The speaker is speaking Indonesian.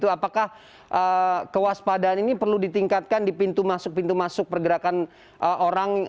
apakah kewaspadaan ini perlu ditingkatkan di pintu masuk pintu masuk pergerakan orang